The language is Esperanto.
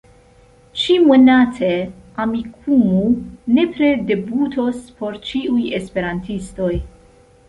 Ĉi-monate, Amikumu nepre debutos por ĉiuj esperantistoj.